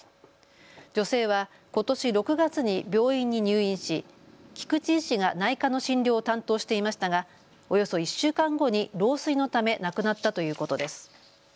女性はことし６月に病院に入院し菊池医師が内科の診療を担当していましたがおよそ１週間後に老衰のため亡くなったということです。